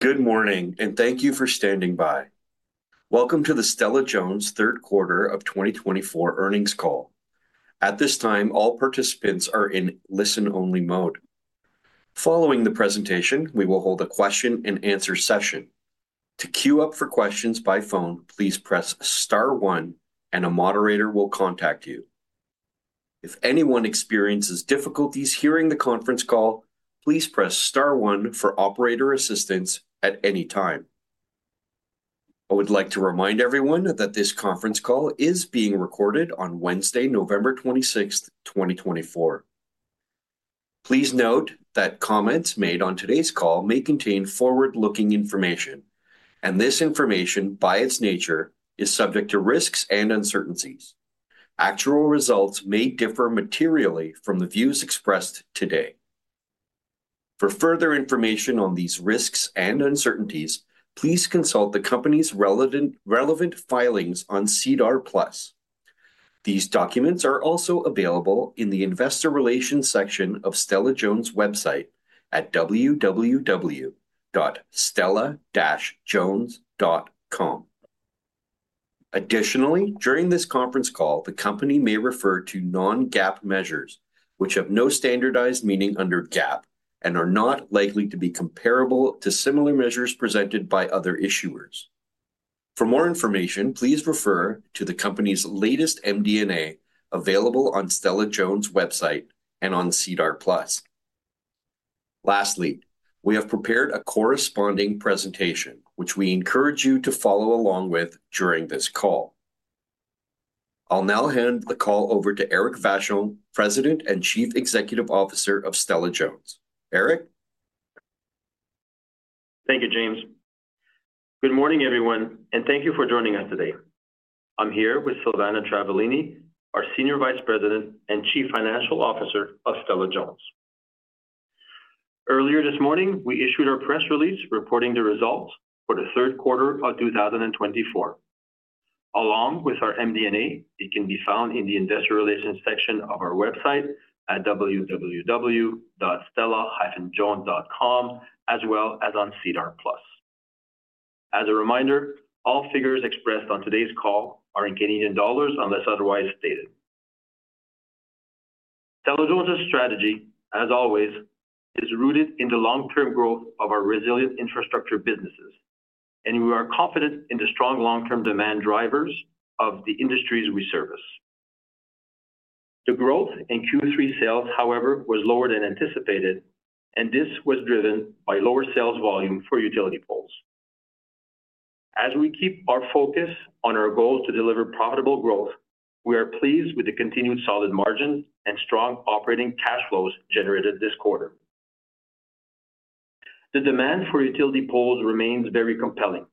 Good morning, and thank you for standing by. Welcome to the Stella-Jones Q3 2024 earnings call. At this time, all participants are in listen-only mode. Following the presentation, we will hold a question-and-answer session. To queue up for questions by phone, please press star one, and a moderator will contact you. If anyone experiences difficulties hearing the conference call, please press star one for operator assistance at any time. I would like to remind everyone that this conference call is being recorded on Wednesday, November 26th, 2024. Please note that comments made on today's call may contain forward-looking information, and this information, by its nature, is subject to risks and uncertainties. Actual results may differ materially from the views expressed today. For further information on these risks and uncertainties, please consult the company's relevant filings on SEDAR+. These documents are also available in the Investor Relations section of Stella-Jones' website at www.stella-jones.com. Additionally, during this conference call, the company may refer to non-GAAP measures, which have no standardized meaning under GAAP and are not likely to be comparable to similar measures presented by other issuers. For more information, please refer to the company's latest MD&A available on Stella-Jones' website and on SEDAR+. Lastly, we have prepared a corresponding presentation, which we encourage you to follow along with during this call. I'll now hand the call over to Éric Vachon, President and Chief Executive Officer of Stella-Jones. Éric? Thank you, James. Good morning, everyone, and thank you for joining us today. I'm here with Silvana Travaglini, our Senior Vice President and Chief Financial Officer of Stella-Jones. Earlier this morning, we issued our press release reporting the results for Q3 2024. Along with our MD&A, it can be found in the Investor Relations section of our website at www.stella-jones.com, as well as on SEDAR+. As a reminder, all figures expressed on today's call are in Canadian dollars unless otherwise stated. Stella-Jones' strategy, as always, is rooted in the long-term growth of our resilient infrastructure businesses, and we are confident in the strong long-term demand drivers of the industries we service. The growth in Q3 sales, however, was lower than anticipated, and this was driven by lower sales volume for utility poles. As we keep our focus on our goals to deliver profitable growth, we are pleased with the continued solid margins and strong operating cash flows generated this quarter. The demand for utility poles remains very compelling,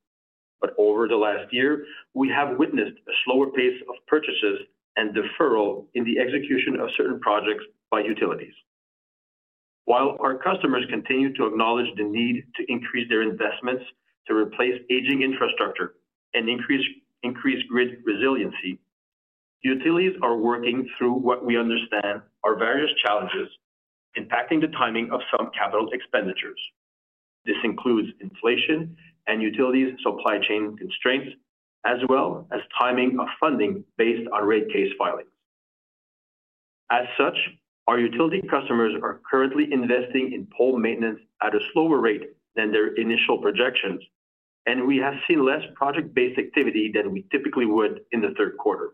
but over the last year, we have witnessed a slower pace of purchases and deferral in the execution of certain projects by utilities. While our customers continue to acknowledge the need to increase their investments to replace aging infrastructure and increase grid resiliency, utilities are working through what we understand are various challenges impacting the timing of some capital expenditures. This includes inflation and utilities' supply chain constraints, as well as timing of funding based on rate case filings. As such, our utility customers are currently investing in pole maintenance at a slower rate than their initial projections, and we have seen less project-based activity than we typically would in Q3.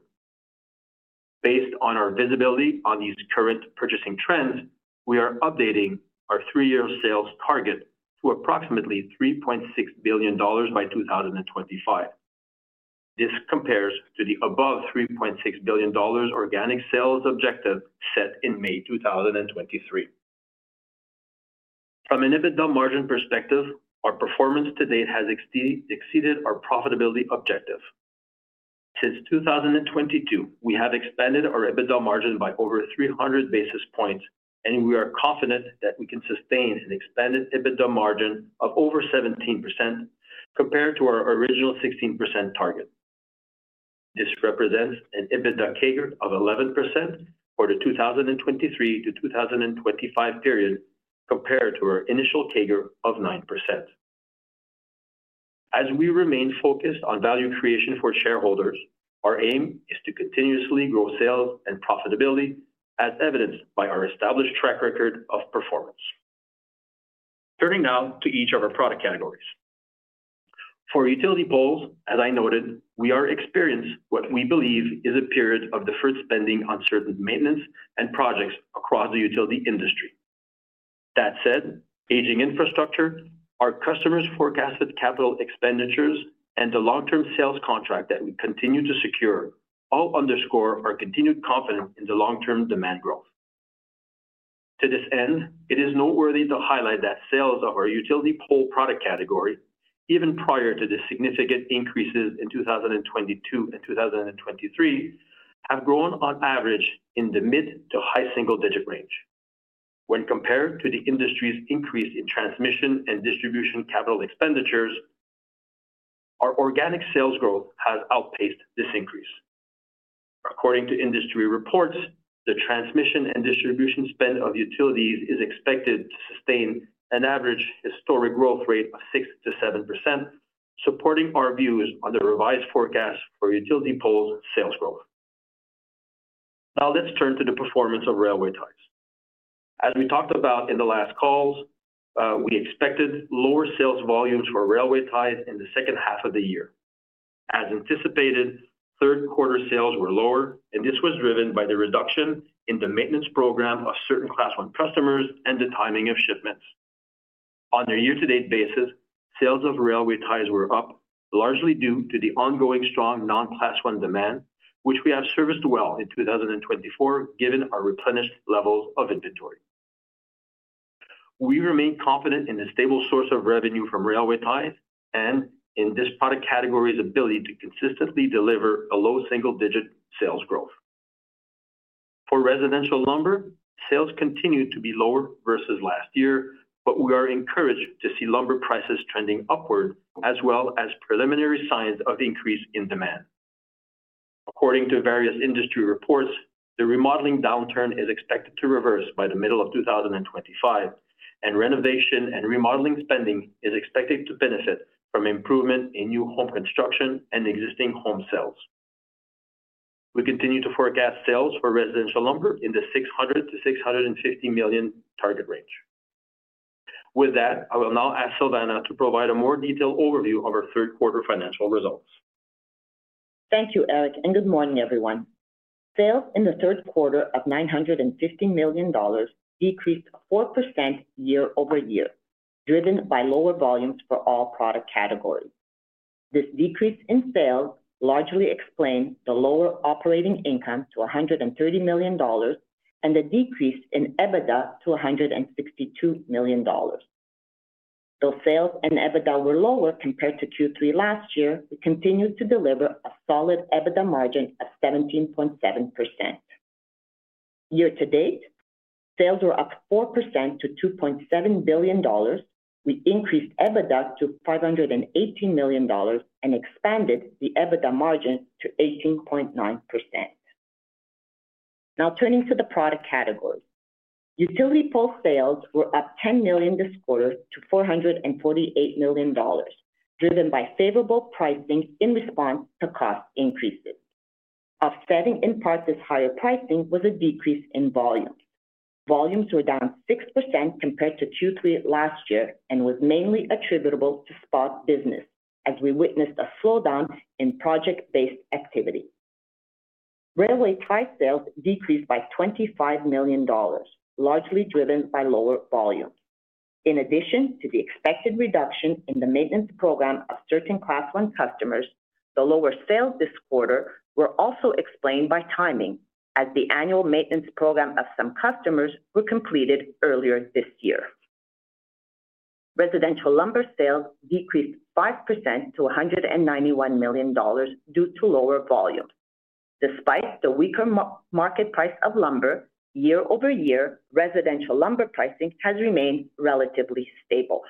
Based on our visibility on these current purchasing trends, we are updating our three-year sales target to approximately 3.6 billion dollars by 2025. This compares to the above 3.6 billion dollars organic sales objective set in May 2023. From an EBITDA margin perspective, our performance to date has exceeded our profitability objective. Since 2022, we have expanded our EBITDA margin by over 300 basis points, and we are confident that we can sustain an expanded EBITDA margin of over 17% compared to our original 16% target. This represents an EBITDA CAGR of 11% for the 2023-2025 period compared to our initial CAGR of 9%. As we remain focused on value creation for shareholders, our aim is to continuously grow sales and profitability, as evidenced by our established track record of performance. Turning now to each of our product categories. For utility poles, as I noted, we are experienced with what we believe is a period of deferred spending on certain maintenance and projects across the utility industry. That said, aging infrastructure, our customers' forecasted capital expenditures, and the long-term sales contract that we continue to secure all underscore our continued confidence in the long-term demand growth. To this end, it is noteworthy to highlight that sales of our utility pole product category, even prior to the significant increases in 2022 and 2023, have grown on average in the mid to high single-digit range. When compared to the industry's increase in transmission and distribution capital expenditures, our organic sales growth has outpaced this increase. According to industry reports, the transmission and distribution spend of utilities is expected to sustain an average historic growth rate of 6%-7%, supporting our views on the revised forecast for utility poles sales growth. Now, let's turn to the performance of railway ties. As we talked about in the last calls, we expected lower sales volumes for railway ties in the second half of the year. As anticipated, Q3 sales were lower, and this was driven by the reduction in the maintenance program of certain Class I customers and the timing of shipments. On a year-to-date basis, sales of railway ties were up, largely due to the ongoing strong non-Class I demand, which we have serviced well in 2024 given our replenished levels of inventory. We remain confident in the stable source of revenue from railway ties and in this product category's ability to consistently deliver a low single-digit sales growth. For residential lumber, sales continue to be lower versus last year, but we are encouraged to see lumber prices trending upward, as well as preliminary signs of increase in demand. According to various industry reports, the remodeling downturn is expected to reverse by the middle of 2025, and renovation and remodeling spending is expected to benefit from improvement in new home construction and existing home sales. We continue to forecast sales for residential lumber in the 600-650 million target range. With that, I will now ask Silvana to provide a more detailed overview of our Q3 financial results. Thank you, Éric, and good morning, everyone. Sales in Q3 of 950 million dollars decreased 4% year-over-year, driven by lower volumes for all product categories. This decrease in sales largely explains the lower operating income to 130 million dollars and the decrease in EBITDA to 162 million dollars. Though sales and EBITDA were lower compared to Q3 last year, we continued to deliver a solid EBITDA margin of 17.7%. Year-to-date, sales were up 4% to 2.7 billion dollars. We increased EBITDA to 518 million dollars and expanded the EBITDA margin to 18.9%. Now, turning to the product categories. Utility pole sales were up 10 million this quarter to 448 million dollars, driven by favorable pricing in response to cost increases. Offsetting in part this higher pricing was a decrease in volumes. Volumes were down 6% compared to Q3 last year and was mainly attributable to spot business, as we witnessed a slowdown in project-based activity. Railway tie sales decreased by $25 million, largely driven by lower volumes. In addition to the expected reduction in the maintenance program of certain Class I customers, the lower sales this quarter were also explained by timing, as the annual maintenance program of some customers were completed earlier this year. Residential lumber sales decreased 5% to $191 million due to lower volumes. Despite the weaker market price of lumber, year-over-year, residential lumber pricing has remained relatively stable.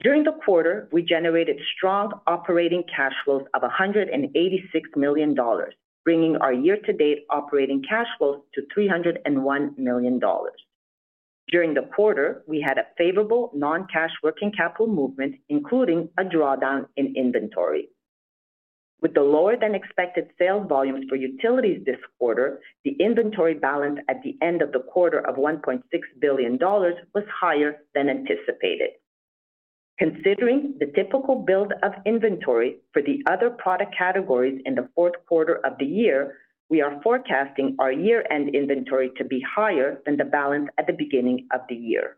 During the quarter, we generated strong operating cash flows of $186 million, bringing our year-to-date operating cash flows to $301 million. During the quarter, we had a favorable non-cash working capital movement, including a drawdown in inventory. With the lower-than-expected sales volumes for utilities this quarter, the inventory balance at the end of the quarter of $1.6 billion was higher than anticipated. Considering the typical build of inventory for the other product categories in Q4 of the year, we are forecasting our year-end inventory to be higher than the balance at the beginning of the year.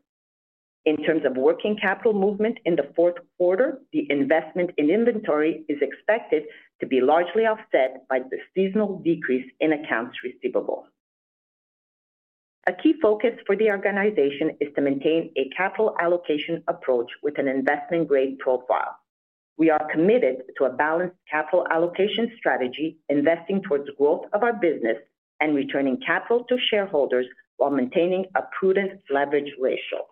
In terms of working capital movement in Q4, the investment in inventory is expected to be largely offset by the seasonal decrease in accounts receivable. A key focus for the organization is to maintain a capital allocation approach with an investment-grade profile. We are committed to a balanced capital allocation strategy, investing towards the growth of our business and returning capital to shareholders while maintaining a prudent leverage ratio.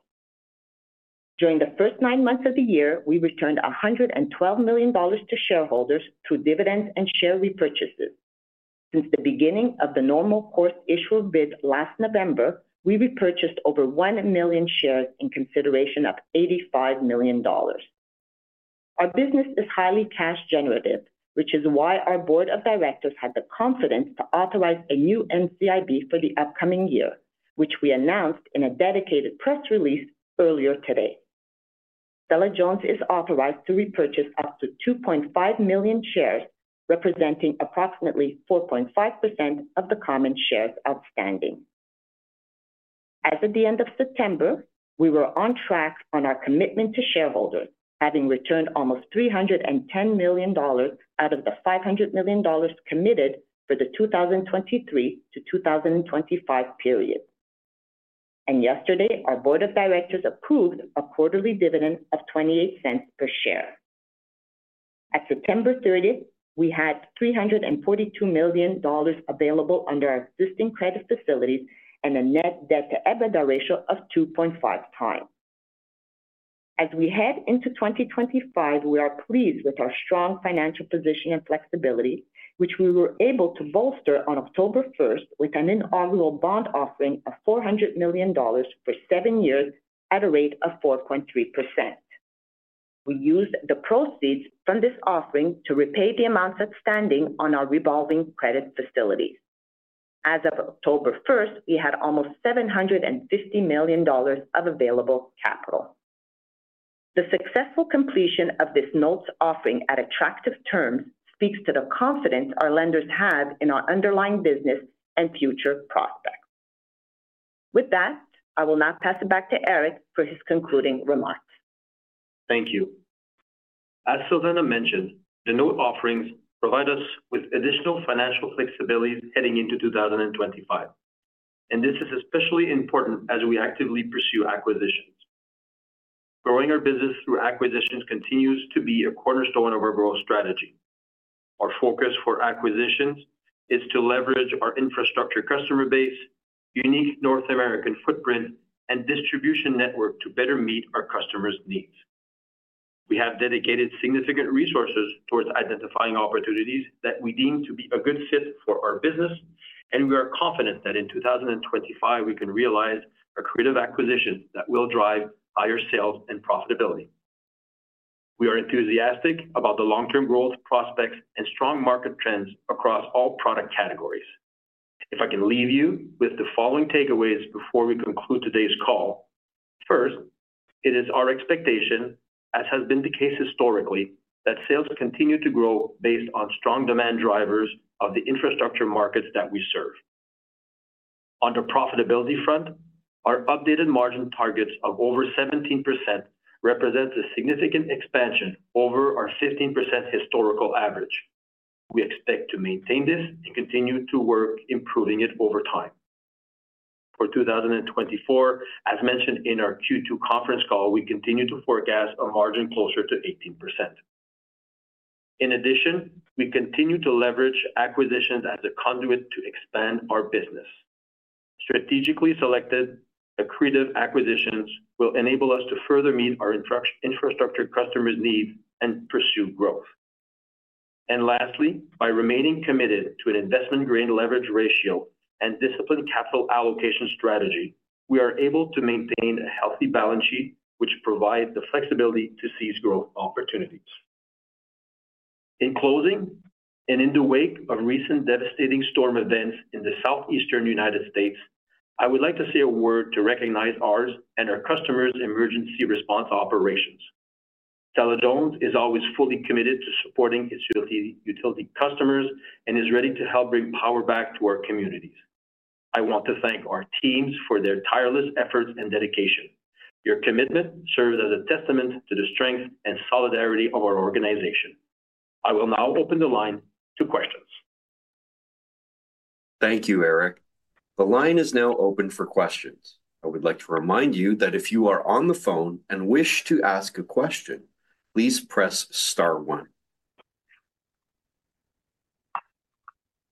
During the first nine months of the year, we returned 112 million dollars to shareholders through dividends and share repurchases. Since the beginning of the normal course issuer bid last November, we repurchased over one million shares in consideration of 85 million dollars. Our business is highly cash-generative, which is why our Board of Directors had the confidence to authorize a new NCIB for the upcoming year, which we announced in a dedicated press release earlier today. Stella-Jones is authorized to repurchase up to 2.5 million shares, representing approximately 4.5% of the common shares outstanding. As of the end of September, we were on track on our commitment to shareholders, having returned almost 310 million dollars out of the 500 million dollars committed for the 2023-2025 period. And yesterday, our Board of Directors approved a quarterly dividend of 0.28 per share. At September 30, we had 342 million dollars available under our existing credit facilities and a net debt-to-EBITDA ratio of 2.5 times. As we head into 2025, we are pleased with our strong financial position and flexibility, which we were able to bolster on October 1 with an inaugural bond offering of 400 million dollars for seven years at a rate of 4.3%. We used the proceeds from this offering to repay the amounts outstanding on our revolving credit facilities. As of October 1st, we had almost 750 million dollars of available capital. The successful completion of this notes offering at attractive terms speaks to the confidence our lenders have in our underlying business and future prospects. With that, I will now pass it back to Éric for his concluding remarks. Thank you. As Silvana mentioned, the new offerings provide us with additional financial flexibilities heading into 2025, and this is especially important as we actively pursue acquisitions. Growing our business through acquisitions continues to be a cornerstone of our growth strategy. Our focus for acquisitions is to leverage our infrastructure customer base, unique North American footprint, and distribution network to better meet our customers' needs. We have dedicated significant resources towards identifying opportunities that we deem to be a good fit for our business, and we are confident that in 2025, we can realize a creative acquisition that will drive higher sales and profitability. We are enthusiastic about the long-term growth prospects and strong market trends across all product categories. If I can leave you with the following takeaways before we conclude today's call. First, it is our expectation, as has been the case historically, that sales continue to grow based on strong demand drivers of the infrastructure markets that we serve. On the profitability front, our updated margin targets of over 17% represent a significant expansion over our 15% historical average. We expect to maintain this and continue to work, improving it over time. For 2024, as mentioned in our Q2 conference call, we continue to forecast a margin closer to 18%. In addition, we continue to leverage acquisitions as a conduit to expand our business. Strategically selected accretive acquisitions will enable us to further meet our infrastructure customers' needs and pursue growth. And lastly, by remaining committed to an investment-grade leverage ratio and disciplined capital allocation strategy, we are able to maintain a healthy balance sheet, which provides the flexibility to seize growth opportunities. In closing, and in the wake of recent devastating storm events in the southeastern United States, I would like to say a word to recognize ours and our customers' emergency response operations. Stella-Jones is always fully committed to supporting its utility customers and is ready to help bring power back to our communities. I want to thank our teams for their tireless efforts and dedication. Your commitment serves as a testament to the strength and solidarity of our organization. I will now open the line to questions. Thank you, Éric. The line is now open for questions. I would like to remind you that if you are on the phone and wish to ask a question, please press star one.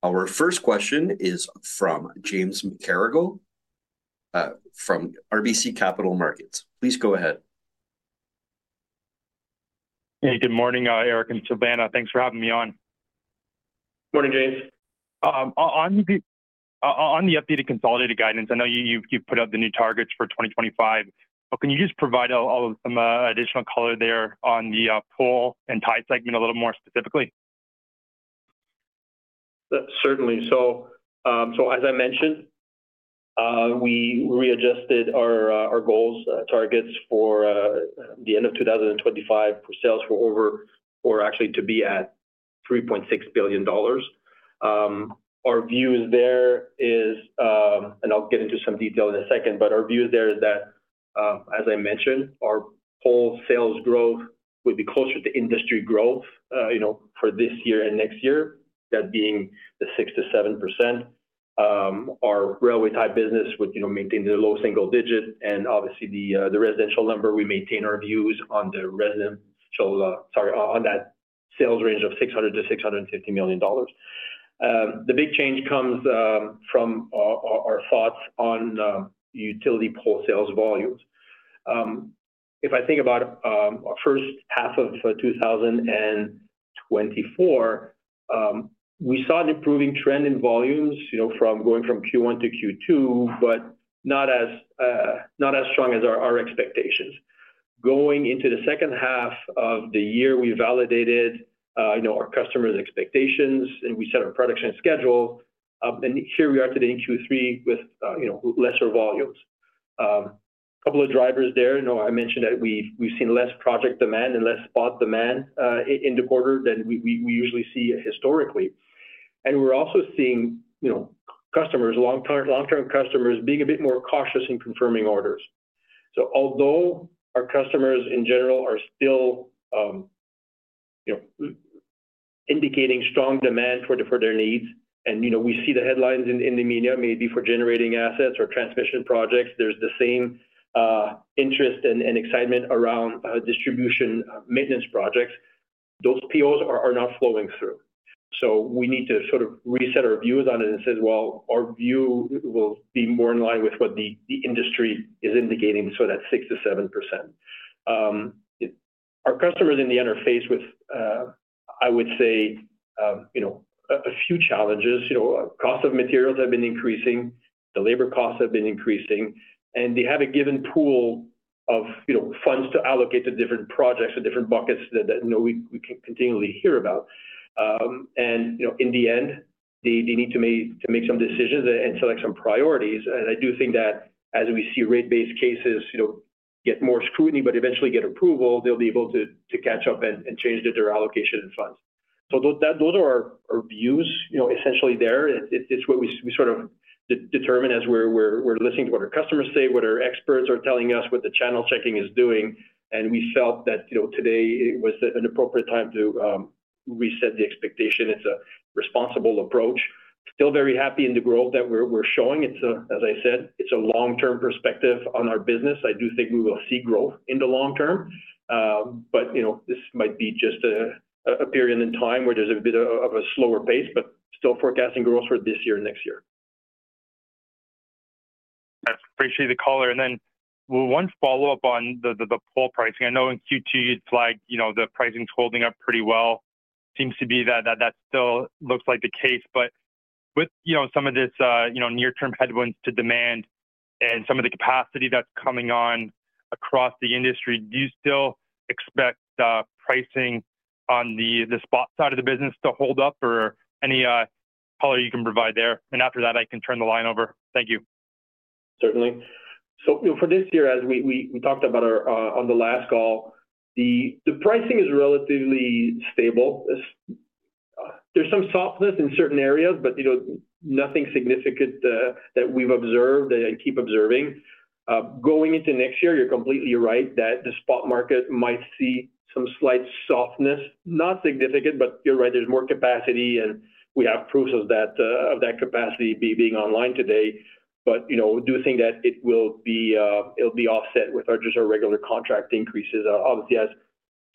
Our first question is from James McGarragle from RBC Capital Markets. Please go ahead. Hey, good morning, Éric and Silvana. Thanks for having me on. Morning, James. On the updated consolidated guidance, I know you've put out the new targets for 2025, but can you just provide some additional color there on the pole and tie segment a little more specifically? Certainly. So, as I mentioned, we readjusted our goals, targets for the end of 2025 for sales for over, or actually to be at 3.6 billion dollars. Our view is there, and I'll get into some detail in a second, but our view is there is that, as I mentioned, our pole sales growth would be closer to industry growth for this year and next year, that being the 6%-7%. Our railway tie business would maintain the low single digit, and obviously, the residential lumber, we maintain our views on the residential, sorry, on that sales range of 600-650 million dollars. The big change comes from our thoughts on utility pole sales volumes. If I think about our first half of 2024, we saw an improving trend in volumes from going from Q1 to Q2, but not as strong as our expectations. Going into the second half of the year, we validated our customers' expectations, and we set our production schedule, and here we are today in Q3 with lesser volumes. A couple of drivers there. I mentioned that we've seen less project demand and less spot demand in the quarter than we usually see historically. And we're also seeing customers, long-term customers, being a bit more cautious in confirming orders. So, although our customers in general are still indicating strong demand for their needs, and we see the headlines in the media maybe for generating assets or transmission projects, there's the same interest and excitement around distribution maintenance projects. Those POs are not flowing through. So, we need to sort of reset our views on it and say, well, our view will be more in line with what the industry is indicating, so that 6%-7%. Our customers in the end are faced with, I would say, a few challenges. Cost of materials have been increasing. The labor costs have been increasing. And they have a given pool of funds to allocate to different projects or different buckets that we can continually hear about. And in the end, they need to make some decisions and select some priorities. And I do think that as we see rate cases get more scrutiny but eventually get approval, they'll be able to catch up and change their allocation of funds. So, those are our views essentially there. It's what we sort of determine as we're listening to what our customers say, what our experts are telling us, what the channel checking is doing. And we felt that today was an appropriate time to reset the expectation. It's a responsible approach. Still very happy in the growth that we're showing. As I said, it's a long-term perspective on our business. I do think we will see growth in the long term, but this might be just a period in time where there's a bit of a slower pace, but still forecasting growth for this year and next year. Appreciate the caller. And then one follow-up on the pole pricing. I know in Q2 you'd flagged the pricing's holding up pretty well. Seems to be that that still looks like the case. But with some of this near-term headwinds to demand and some of the capacity that's coming on across the industry, do you still expect pricing on the spot side of the business to hold up, or any color you can provide there? And after that, I can turn the line over. Thank you. Certainly. So, for this year, as we talked about on the last call, the pricing is relatively stable. There's some softness in certain areas, but nothing significant that we've observed and keep observing. Going into next year, you're completely right that the spot market might see some slight softness, not significant, but you're right, there's more capacity, and we have proofs of that capacity being online today. But do you think that it will be offset with just our regular contract increases? Obviously, as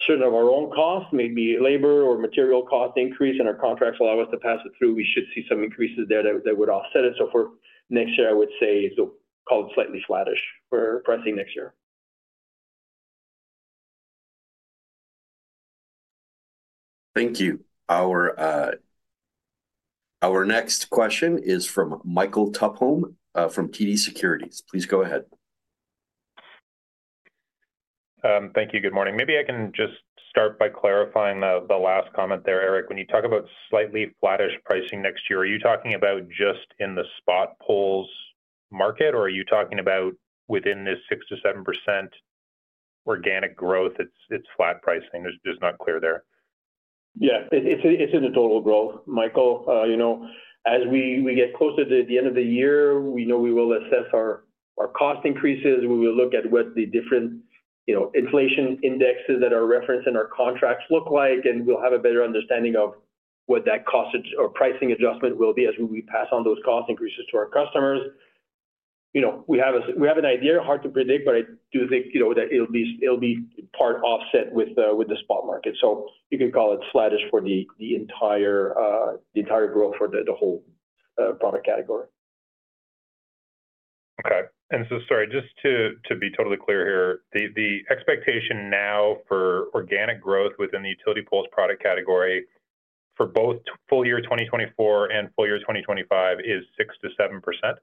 certain of our own costs, maybe labor or material costs increase and our contracts allow us to pass it through, we should see some increases there that would offset it. So, for next year, I would say call it slightly flattish for pricing next year. Thank you. Our next question is from Michael Tupholme from TD Securities. Please go ahead. Thank you. Good morning. Maybe I can just start by clarifying the last comment there, Éric. When you talk about slightly flattish pricing next year, are you talking about just in the spot poles market, or are you talking about within this 6%-7% organic growth, it's flat pricing? Just not clear there. Yeah, it's in the total growth, Michael. As we get closer to the end of the year, we know we will assess our cost increases. We will look at what the different inflation indexes that are referenced in our contracts look like, and we'll have a better understanding of what that cost or pricing adjustment will be as we pass on those cost increases to our customers. We have an idea, hard to predict, but I do think that it'll be part offset with the spot market, so you can call it flattish for the entire growth for the whole product category. Okay. And so, sorry, just to be totally clear here, the expectation now for organic growth within the utility poles product category for both full year 2024 and full year 2025 is 6%-7%?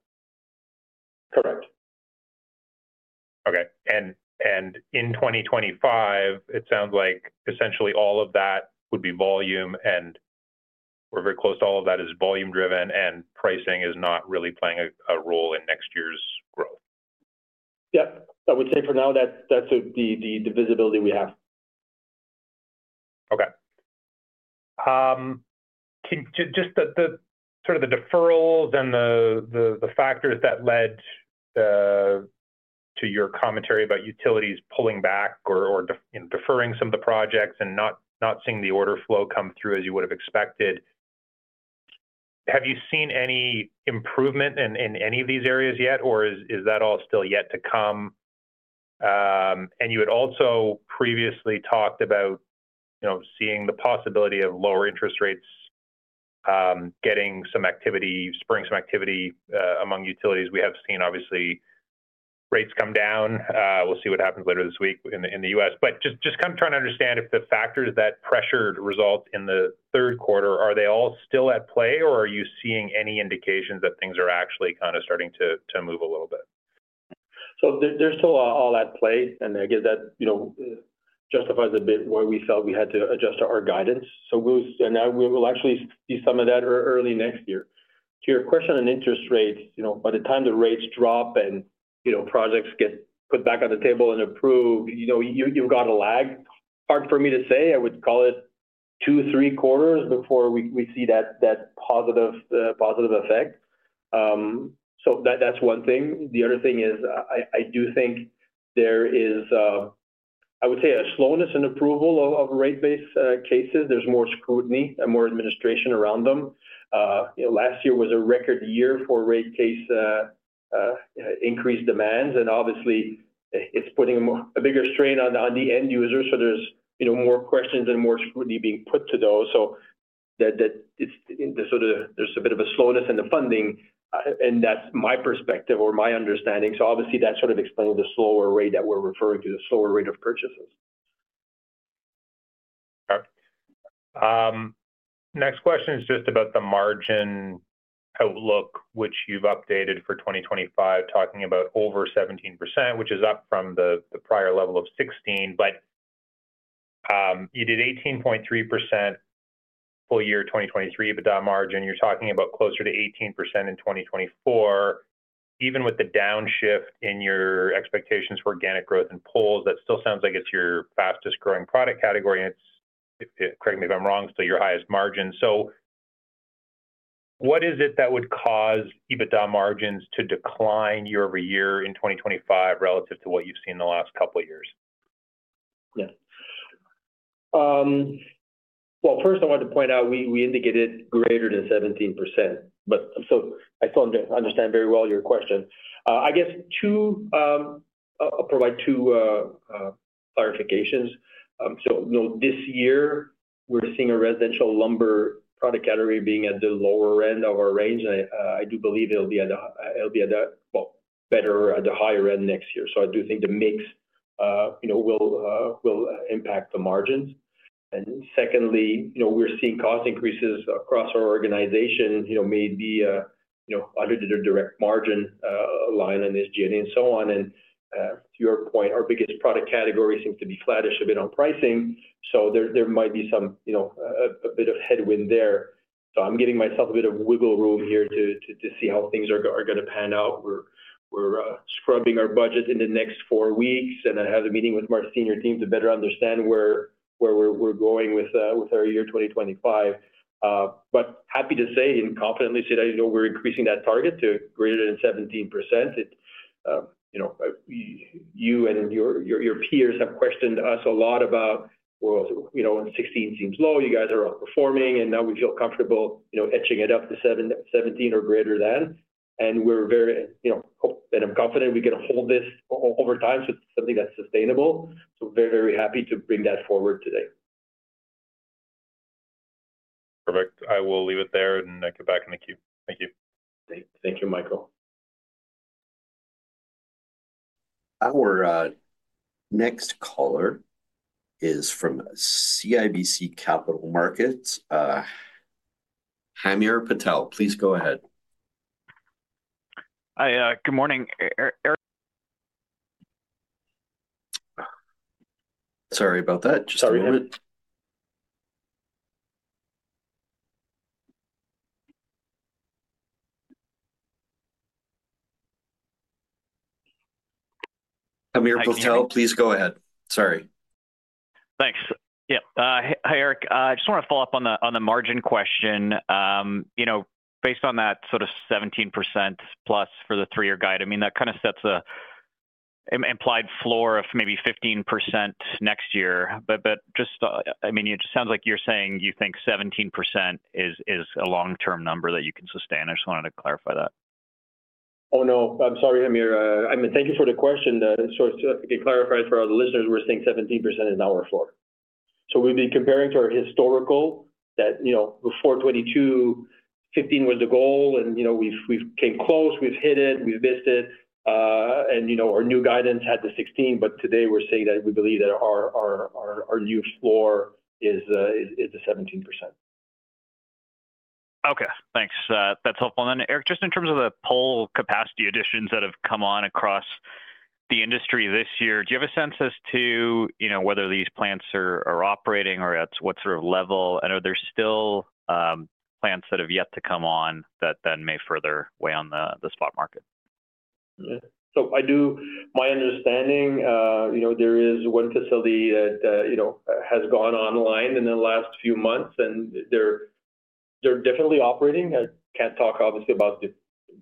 Correct. Okay. And in 2025, it sounds like essentially all of that would be volume, and we're very close to all of that is volume-driven, and pricing is not really playing a role in next year's growth. Yeah. I would say for now, that's the visibility we have. Okay. Just sort of the deferrals and the factors that led to your commentary about utilities pulling back or deferring some of the projects and not seeing the order flow come through as you would have expected, have you seen any improvement in any of these areas yet, or is that all still yet to come? And you had also previously talked about seeing the possibility of lower interest rates getting some activity, spurring some activity among utilities. We have seen, obviously, rates come down. We'll see what happens later this week in the U.S. But just kind of trying to understand if the factors that pressured results in the third quarter, are they all still at play, or are you seeing any indications that things are actually kind of starting to move a little bit? So, they're still all at play, and I guess that justifies a bit why we felt we had to adjust our guidance. So, we'll actually see some of that early next year. To your question on interest rates, by the time the rates drop and projects get put back on the table and approved, you've got a lag. Hard for me to say. I would call it two, three quarters before we see that positive effect. So, that's one thing. The other thing is I do think there is, I would say, a slowness in approval of rate-based cases. There's more scrutiny and more administration around them. Last year was a record year for rate case increased demands, and obviously, it's putting a bigger strain on the end user. So, there's more questions and more scrutiny being put to those. So, there's a bit of a slowness in the funding, and that's my perspective or my understanding. So, obviously, that sort of explains the slower rate that we're referring to, the slower rate of purchases. Okay. Next question is just about the margin outlook, which you've updated for 2025, talking about over 17%, which is up from the prior level of 16%. But you did 18.3% full year 2023, but that margin, you're talking about closer to 18% in 2024. Even with the downshift in your expectations for organic growth and poles, that still sounds like it's your fastest growing product category. And correct me if I'm wrong, still your highest margin. So, what is it that would cause EBITDA margins to decline year over year in 2025 relative to what you've seen in the last couple of years? Yeah. Well, first, I want to point out we indicated greater than 17%. So, I still understand very well your question. I guess I'll provide two clarifications. So, this year, we're seeing a residential lumber product category being at the lower end of our range. I do believe it'll be at a, well, better at the higher end next year. So, I do think the mix will impact the margins. And secondly, we're seeing cost increases across our organization, maybe under the direct margin line on SG&A and so on. And to your point, our biggest product category seems to be flattish a bit on pricing. So, there might be a bit of headwind there. So, I'm giving myself a bit of wiggle room here to see how things are going to pan out. We're scrubbing our budget in the next four weeks, and I have a meeting with my senior team to better understand where we're going with our year 2025, but happy to say and confidently say that we're increasing that target to greater than 17%. You and your peers have questioned us a lot about, well, 16% seems low, you guys are outperforming, and now we feel comfortable etching it up to 17% or greater than, and we're very confident we can hold this over time to something that's sustainable, so, very, very happy to bring that forward today. Perfect. I will leave it there and get back in the queue. Thank you. Thank you, Michael. Our next caller is from CIBC Capital Markets. Hamir Patel, please go ahead. Hi. Good morning. Sorry about that. Just a moment. Hamir Patel, please go ahead. Sorry. Thanks. Yeah. Hi, Éric. I just want to follow up on the margin question. Based on that sort of 17% plus for the three-year guide, I mean, that kind of sets an implied floor of maybe 15% next year. But just, I mean, it just sounds like you're saying you think 17% is a long-term number that you can sustain. I just wanted to clarify that. Oh, no. I'm sorry, Hamir. I mean, thank you for the question. To clarify for our listeners, we're saying 17% is our floor. We've been comparing to our historical that before 2022, 15% was the goal, and we've came close, we've hit it, we've missed it. Our new guidance had the 16%, but today we're saying that we believe that our new floor is the 17%. Okay. Thanks. That's helpful. And then, Éric, just in terms of the pole capacity additions that have come on across the industry this year, do you have a sense as to whether these plants are operating or at what sort of level? I know there's still plants that have yet to come on that then may further weigh on the spot market. So, to my understanding, there is one facility that has gone online in the last few months, and they're definitely operating. I can't talk, obviously, about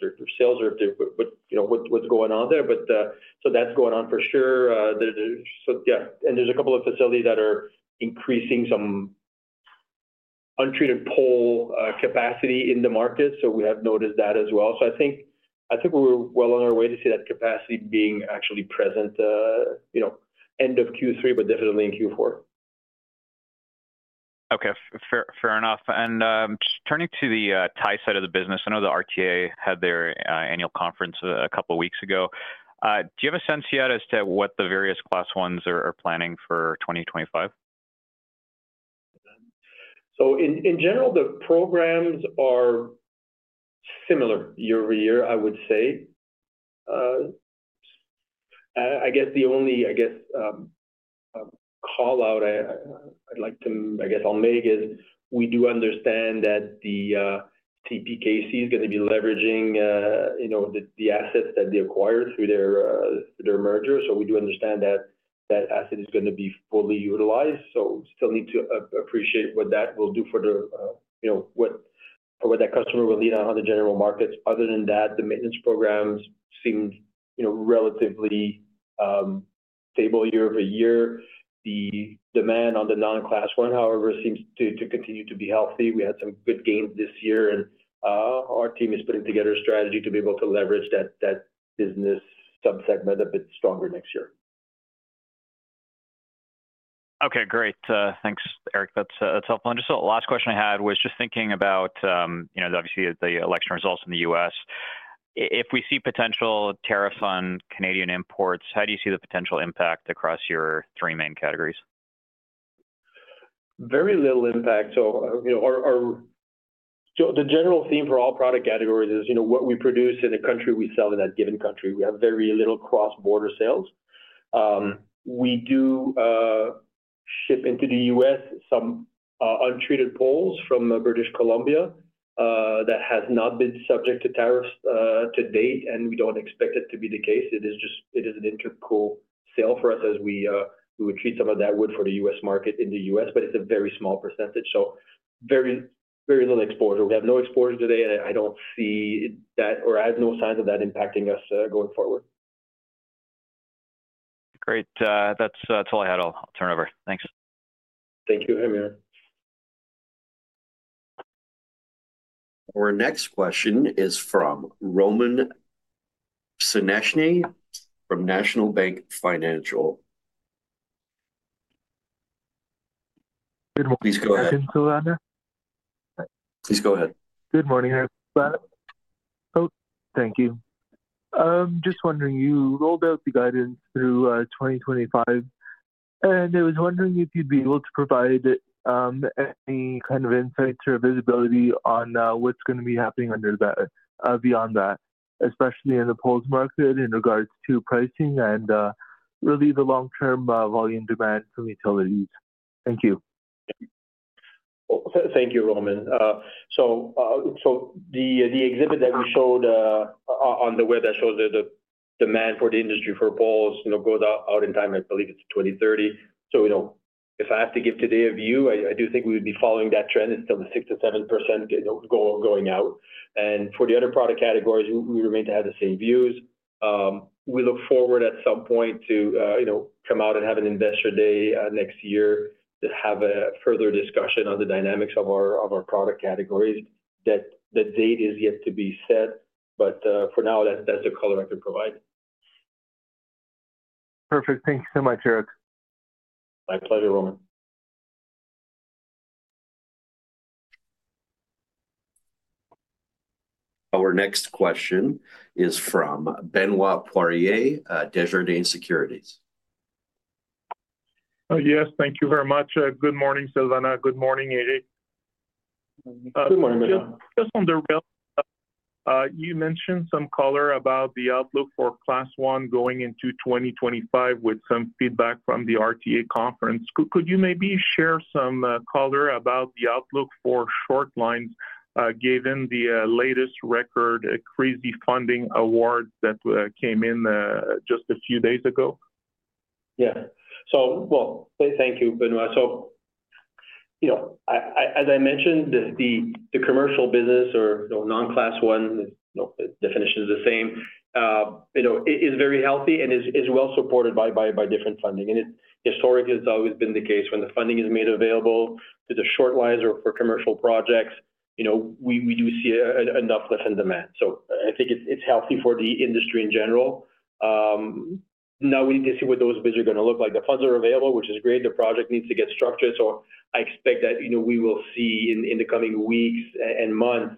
their sales or what's going on there. But so, that's going on for sure. So, yeah. And there's a couple of facilities that are increasing some untreated pole capacity in the market. So, we have noticed that as well. So, I think we're well on our way to see that capacity being actually present end of Q3, but definitely in Q4. Okay. Fair enough. And turning to the tie side of the business, I know the RTA had their annual conference a couple of weeks ago. Do you have a sense yet as to what the various class ones are planning for 2025? So, in general, the programs are similar year over year, I would say. I guess the only callout I'd like to make is we do understand that the CPKC is going to be leveraging the assets that they acquired through their merger. So, we do understand that that asset is going to be fully utilized. So, we still need to appreciate what that will do for what that customer will need on the general markets. Other than that, the maintenance programs seem relatively stable year over year. The demand on the non-class one, however, seems to continue to be healthy. We had some good gains this year, and our team is putting together a strategy to be able to leverage that business subsegment a bit stronger next year. Okay. Great. Thanks, Éric. That's helpful. And just the last question I had was just thinking about, obviously, the election results in the U.S. If we see potential tariffs on Canadian imports, how do you see the potential impact across your three main categories? Very little impact. So, the general theme for all product categories is what we produce in the country we sell in that given country. We have very little cross-border sales. We do ship into the U.S. some untreated poles from British Columbia that has not been subject to tariffs to date, and we don't expect it to be the case. It is an intercompany sale for us as we treat some of that wood for the U.S. market in the U.S., but it's a very small percentage. So, very little exposure. We have no exposure today, and I don't see that or I have no signs of that impacting us going forward. Great. That's all I had. I'll turn it over. Thanks. Thank you, Hamir. Our next question is from Roman Pshenychnyi from National Bank Financial. Please go ahead. Please go ahead. Good morning, Éric. Thank you. I'm just wondering, you rolled out the guidance through 2025, and I was wondering if you'd be able to provide any kind of insights or visibility on what's going to be happening beyond that, especially in the poles market in regards to pricing and really the long-term volume demand from utilities. Thank you. Thank you, Roman. So, the exhibit that we showed on the web that shows the demand for the industry for poles goes out in time, I believe it's 2030. So, if I have to give today a view, I do think we would be following that trend. It's still the 6%-7% going out. And for the other product categories, we remain to have the same views. We look forward at some point to come out and have an investor day next year to have a further discussion on the dynamics of our product categories. The date is yet to be set, but for now, that's the color I can provide. Perfect. Thank you so much, Éric. My pleasure, Roman. Our next question is from Benoit Poirier, Desjardins Securities. Yes. Thank you very much. Good morning, Silvana. Good morning, Éric. Good morning, Benoit. Just on the railroad, you mentioned some color about the outlook for Class I going into 2025 with some feedback from the RTA conference. Could you maybe share some color about the outlook for short lines given the latest record crazy funding awards that came in just a few days ago? Yeah. So, well, thank you, Benoit. So, as I mentioned, the commercial business or non-Class I, the definition is the same, is very healthy and is well supported by different funding. And historically, it's always been the case when the funding is made available to the short lines or for commercial projects, we do see enough lift in demand. So, I think it's healthy for the industry in general. Now, we need to see what those bids are going to look like. The funds are available, which is great. The project needs to get structured. So, I expect that we will see in the coming weeks and months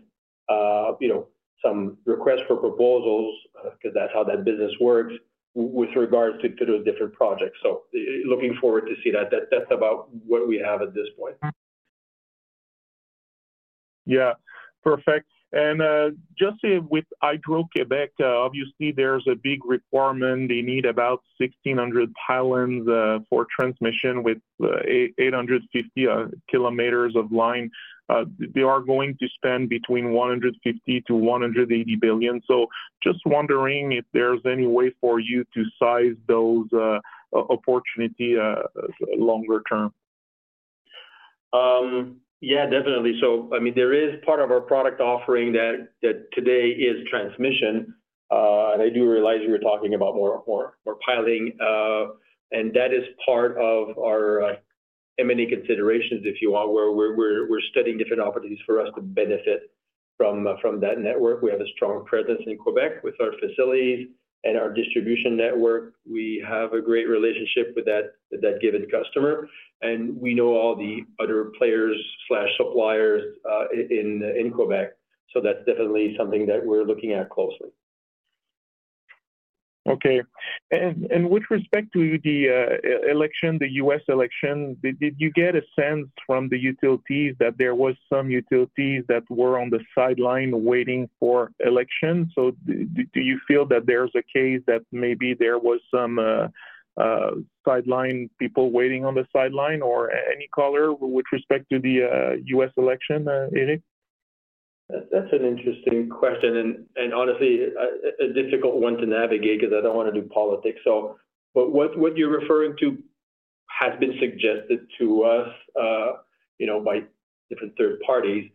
some requests for proposals because that's how that business works with regards to those different projects. So, looking forward to seeing that. That's about what we have at this point. Yeah. Perfect. And just with Hydro-Québec, obviously, there's a big requirement. They need about 1,600 pylons for transmission with 850 km of line. They are going to spend between 150 billion-180 billion. So, just wondering if there's any way for you to size those opportunities longer term. Yeah, definitely. So, I mean, there is part of our product offering that today is transmission. And I do realize we were talking about more piling. And that is part of our M&A considerations, if you want, where we're studying different opportunities for us to benefit from that network. We have a strong presence in Quebec with our facilities and our distribution network. We have a great relationship with that given customer. And we know all the other players and suppliers in Quebec. So, that's definitely something that we're looking at closely. Okay. And with respect to the election, the U.S. election, did you get a sense from the utilities that there were some utilities that were on the sideline waiting for election? So, do you feel that there's a case that maybe there were some sideline people waiting on the sideline or any color with respect to the U.S. election, Éric? That's an interesting question, and honestly, a difficult one to navigate because I don't want to do politics, so what you're referring to has been suggested to us by different third parties,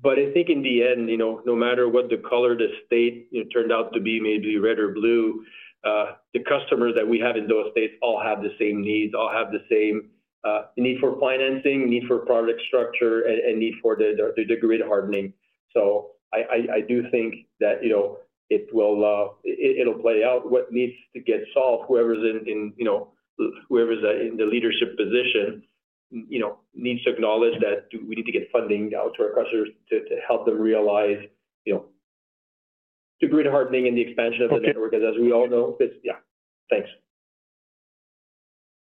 but I think in the end, no matter what the color of the state turned out to be, maybe red or blue, the customers that we have in those states all have the same needs, all have the same need for financing, need for product structure, and need for the grid hardening, so I do think that it'll play out. What needs to get solved, whoever's in the leadership position, needs to acknowledge that we need to get funding out to our customers to help them realize the grid hardening and the expansion of the network, as we all know. Yeah. Thanks.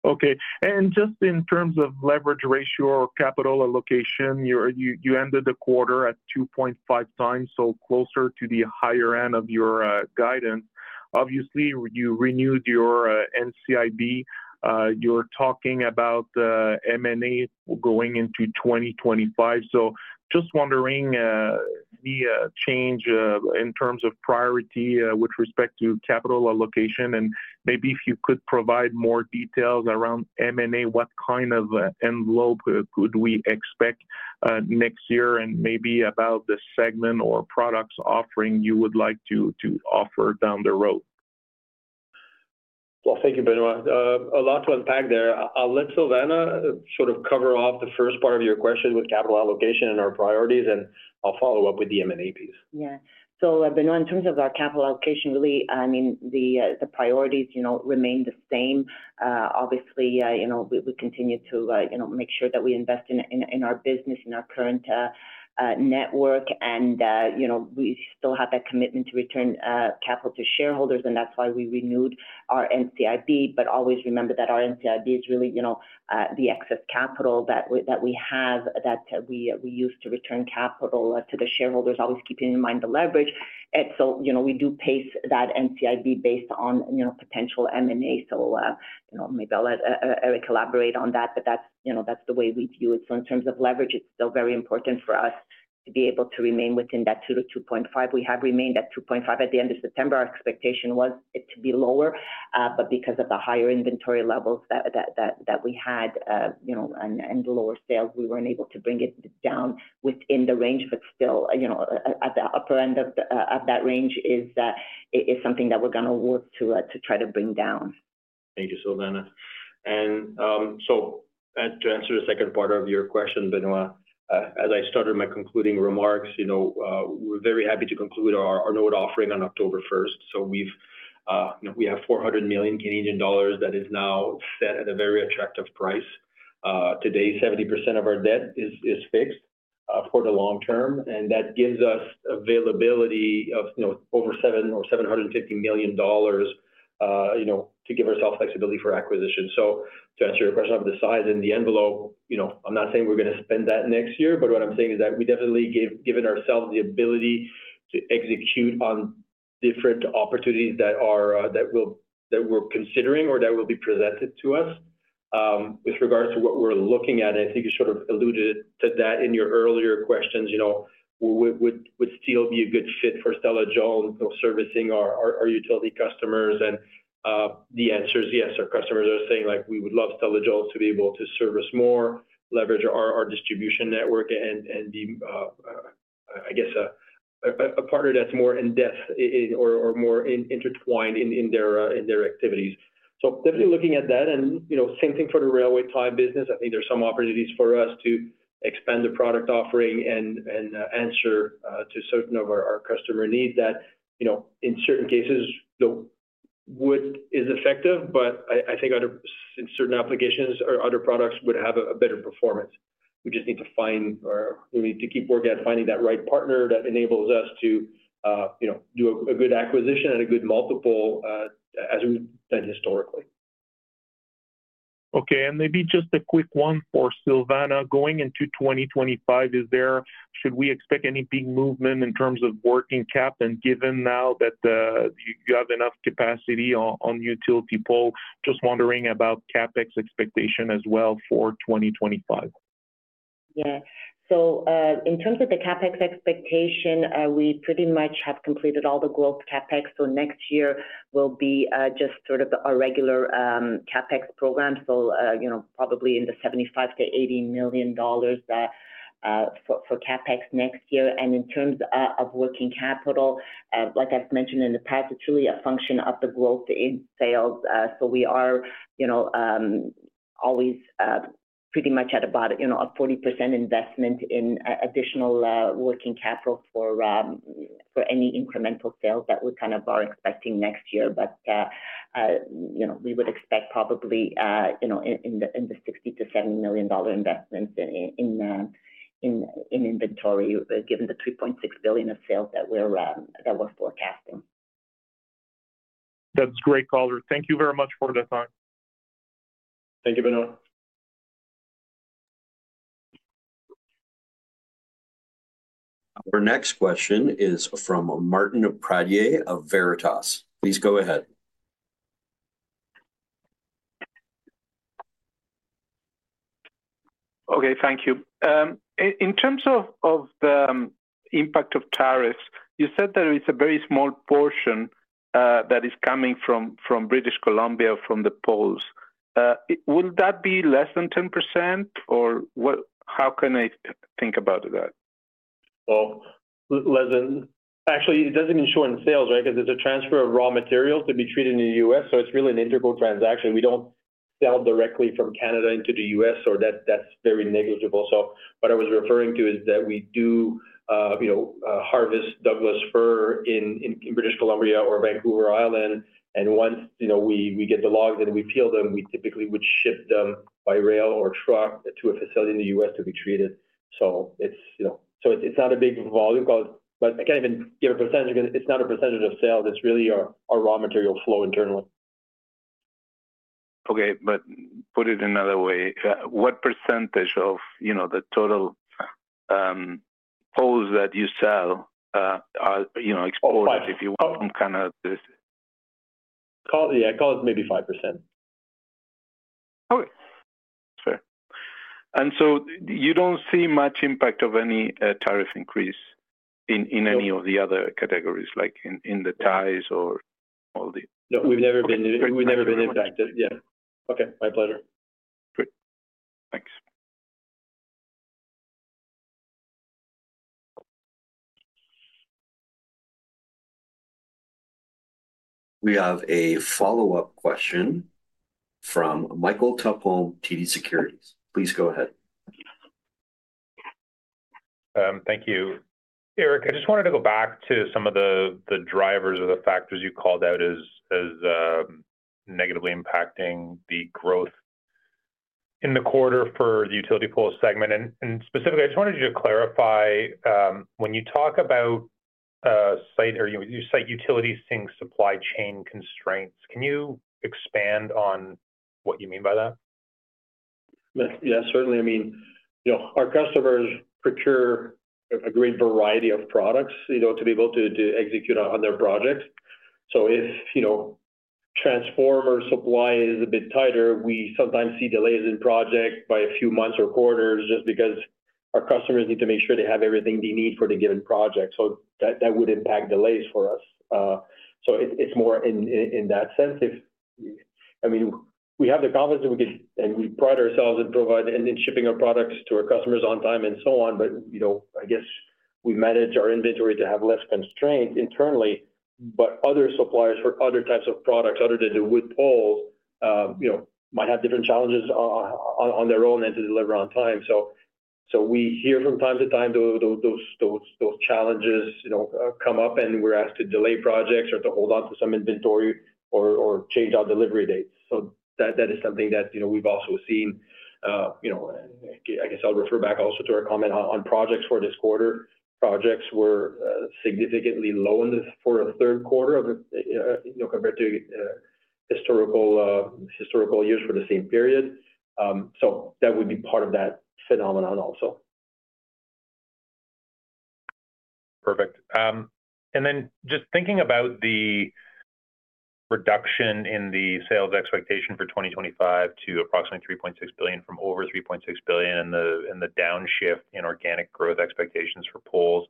Okay. And just in terms of leverage ratio or capital allocation, you ended the quarter at 2.5 times, so closer to the higher end of your guidance. Obviously, you renewed your NCIB. You're talking about M&A going into 2025. So, just wondering, the change in terms of priority with respect to capital allocation, and maybe if you could provide more details around M&A, what kind of envelope could we expect next year, and maybe about the segment or products offering you would like to offer down the road? Thank you, Benoit. A lot to unpack there. I'll let Silvana sort of cover off the first part of your question with capital allocation and our priorities, and I'll follow up with the M&A piece. Yeah. So, Benoit, in terms of our capital allocation, really, I mean, the priorities remain the same. Obviously, we continue to make sure that we invest in our business, in our current network, and we still have that commitment to return capital to shareholders, and that's why we renewed our NCIB. But always remember that our NCIB is really the excess capital that we have that we use to return capital to the shareholders, always keeping in mind the leverage. And so, we do pace that NCIB based on potential M&A. So, maybe I'll let Éric elaborate on that, but that's the way we view it. So, in terms of leverage, it's still very important for us to be able to remain within that 2-2.5. We have remained at 2.5 at the end of September. Our expectation was it to be lower, but because of the higher inventory levels that we had and the lower sales, we weren't able to bring it down within the range, but still at the upper end of that range is something that we're going to work to try to bring down. Thank you, Silvana. To answer the second part of your question, Benoit, as I started my concluding remarks, we're very happy to conclude our note offering on October 1st. We have 400 million Canadian dollars that is now set at a very attractive price. Today, 70% of our debt is fixed for the long term, and that gives us availability of over 700 or 750 million dollars to give ourselves flexibility for acquisition. To answer your question of the size and the envelope, I'm not saying we're going to spend that next year, but what I'm saying is that we definitely given ourselves the ability to execute on different opportunities that we're considering or that will be presented to us with regards to what we're looking at. I think you sort of alluded to that in your earlier questions. Would steel be a good fit for Stella-Jones servicing our utility customers? The answer is yes. Our customers are saying we would love Stella-Jones to be able to service more, leverage our distribution network, and be, I guess, a partner that's more in-depth or more intertwined in their activities. Definitely looking at that. Same thing for the railway tie business. I think there's some opportunities for us to expand the product offering and answer to certain of our customer needs that, in certain cases, wood is effective, but I think in certain applications, other products would have a better performance. We just need to find or we need to keep working at finding that right partner that enables us to do a good acquisition at a good multiple as we've done historically. Okay. And maybe just a quick one for Silvana. Going into 2025, should we expect any big movement in terms of working cap and given now that you have enough capacity on utility pole? Just wondering about CapEx expectation as well for 2025. Yeah. So, in terms of the CapEx expectation, we pretty much have completed all the growth CapEx. So, next year will be just sort of a regular CapEx program. So, probably 75-80 million dollars for CapEx next year. And in terms of working capital, like I've mentioned in the past, it's really a function of the growth in sales. So, we are always pretty much at about a 40% investment in additional working capital for any incremental sales that we kind of are expecting next year. But we would expect probably 60-70 million dollar investments in inventory, given the 3.6 billion of sales that we're forecasting. That's great, color. Thank you very much for the time. Thank you, Benoit. Our next question is from Martin Pradier of Veritas. Please go ahead. Okay. Thank you. In terms of the impact of tariffs, you said that it's a very small portion that is coming from British Columbia or from the poles. Will that be less than 10%, or how can I think about that? Well, actually, it doesn't mean short in sales, right? Because it's a transfer of raw materials to be treated in the U.S. So, it's really an integral transaction. We don't sell directly from Canada into the U.S., or that's very negligible. So, what I was referring to is that we do harvest Douglas fir in British Columbia or Vancouver Island. And once we get the logs and we peel them, we typically would ship them by rail or truck to a facility in the U.S. to be treated. So, it's not a big volume, but I can't even give a percentage. It's not a percentage of sales. It's really our raw material flow internally. Okay, but put it another way. What percentage of the total poles that you sell are exported, if you want, from Canada? Yeah. I'd call it maybe 5%. Okay. Fair. And so, you don't see much impact of any tariff increase in any of the other categories, like in the ties or all the? No. We've never been impacted. Yeah. Okay. My pleasure. Great. Thanks. We have a follow-up question from Michael Topholme, TD Securities. Please go ahead. Thank you, Éric. I just wanted to go back to some of the drivers or the factors you called out as negatively impacting the growth in the quarter for the utility pole segment. And specifically, I just wanted you to clarify, when you cite utilities seeing supply chain constraints, can you expand on what you mean by that? Yeah. Certainly. I mean, our customers procure a great variety of products to be able to execute on their projects. So, if transformer supply is a bit tighter, we sometimes see delays in projects by a few months or quarters just because our customers need to make sure they have everything they need for the given project. So, that would impact delays for us. So, it's more in that sense. I mean, we have the confidence that we could, and we pride ourselves in providing and shipping our products to our customers on time and so on. But I guess we manage our inventory to have less constraints internally, but other suppliers for other types of products, other than the wood poles, might have different challenges on their own and to deliver on time. So, we hear from time to time those challenges come up, and we're asked to delay projects or to hold on to some inventory or change our delivery dates. So, that is something that we've also seen. I guess I'll refer back also to our comment on projects for this quarter. Projects were significantly low for a third quarter compared to historical years for the same period. So, that would be part of that phenomenon also. Perfect. And then just thinking about the reduction in the sales expectation for 2025 to approximately 3.6 billion from over 3.6 billion and the downshift in organic growth expectations for poles.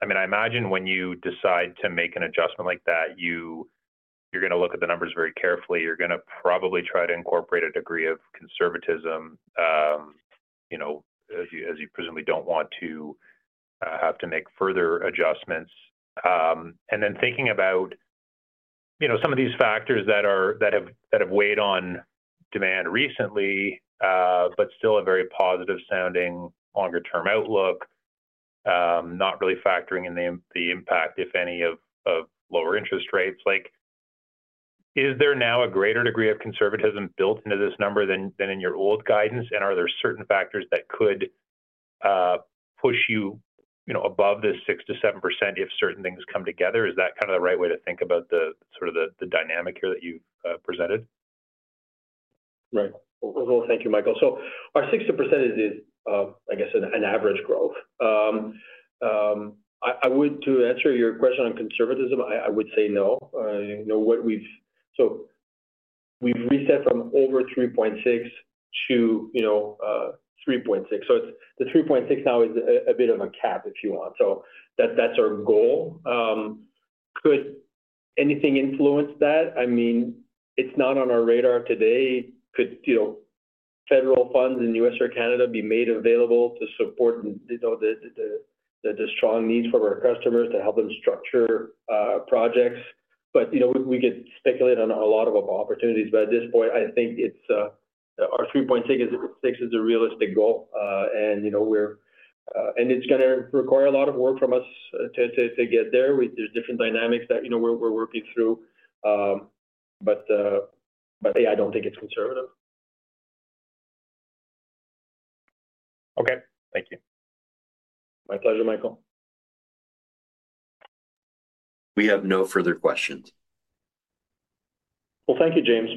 I mean, I imagine when you decide to make an adjustment like that, you're going to look at the numbers very carefully. You're going to probably try to incorporate a degree of conservatism as you presumably don't want to have to make further adjustments. And then thinking about some of these factors that have weighed on demand recently, but still a very positive-sounding longer-term outlook, not really factoring in the impact, if any, of lower interest rates. Is there now a greater degree of conservatism built into this number than in your old guidance? And are there certain factors that could push you above this 6%-7% if certain things come together? Is that kind of the right way to think about sort of the dynamic here that you've presented? Right. Well, thank you, Michael. So, our 60% is, I guess, an average growth. To answer your question on conservatism, I would say no. So, we've reset from over 3.6 to 3.6. So, the 3.6 now is a bit of a cap, if you want. So, that's our goal. Could anything influence that? I mean, it's not on our radar today. Could federal funds in the U.S. or Canada be made available to support the strong needs for our customers to help them structure projects? But we could speculate on a lot of opportunities. But at this point, I think our 3.6 is a realistic goal. And it's going to require a lot of work from us to get there. There's different dynamics that we're working through. But, yeah, I don't think it's conservative. Okay. Thank you. My pleasure, Michael. We have no further questions. Well, thank you, James.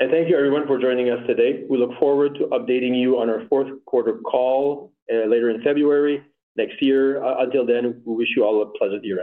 And thank you, everyone, for joining us today. We look forward to updating you on our fourth quarter call later in February next year. Until then, we wish you all a pleasant year.